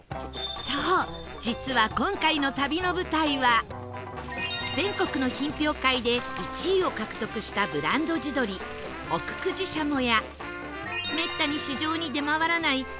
そう実は今回の旅の舞台は全国の品評会で１位を獲得したブランド地鶏奥久慈しゃもやめったに市場に出回らない